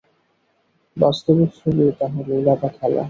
বাস্তবিক সবই তাঁহার লীলা বা খেলা।